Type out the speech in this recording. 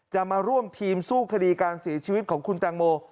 มาร่วมทีมสู้คดีการเสียชีวิตของคุณแตงโม